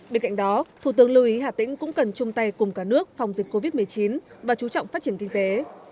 bên cạnh đó thủ tướng lưu ý hà tĩnh cũng cần chung tay cùng cả nước phòng dịch covid một mươi chín và chú trọng phát triển kinh tế